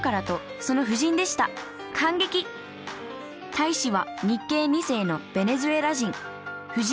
大使は日系２世のベネズエラ人。